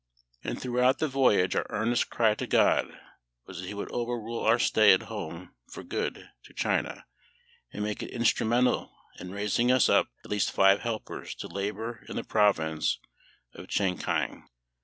And throughout the voyage our earnest cry to GOD was that He would overrule our stay at home for good to China, and make it instrumental in raising up at least five helpers to labour in the province of CHEH KIANG.